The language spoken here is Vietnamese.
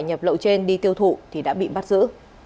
nhập lậu trên đi tiêu thụ thì đã bị bắt giữ